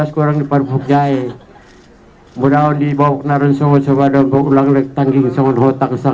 kurangnya paruh jahe mudah dibawa ke narin sobat obat ulang lektang gingson hotaksang